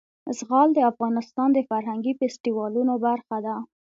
زغال د افغانستان د فرهنګي فستیوالونو برخه ده.